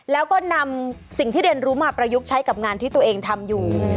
แล้วก็นำสิ่งที่เรียนรู้มาประยุกต์ใช้กับงานที่ตัวเองทำอยู่